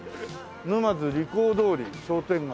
沼津リコー通り商店街。